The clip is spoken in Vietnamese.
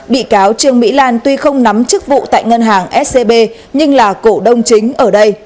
bị cáo trương mỹ lan tuy không nắm chức vụ tại ngân hàng scb nhưng là cổ đông chính ở đây